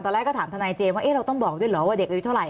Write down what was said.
แรกก็ถามทนายเจมส์ว่าเราต้องบอกด้วยเหรอว่าเด็กอายุเท่าไห